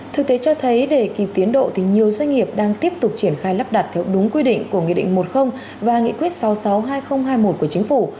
thực tế cho thấy để kịp tiến độ thì nhiều doanh nghiệp đang tiếp tục triển khai lắp đặt theo đúng quy định của nghị định một mươi và nghị quyết sáu mươi sáu hai nghìn hai mươi một của chính phủ